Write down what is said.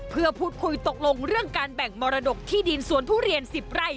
เพื่อพูดคุยตกลงเรื่องการแบ่งมรดกที่ดินสวนทุเรียน๑๐ไร่